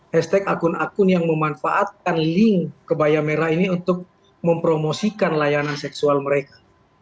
hashtag akun akun yang memanfaatkan link kebaya merah ini untuk mempromosikan layanan seksual mereka